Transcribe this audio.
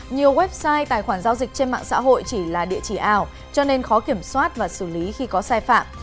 nhiều website tài khoản giao dịch trên mạng xã hội chỉ là địa chỉ ảo cho nên khó kiểm soát và xử lý khi có sai phạm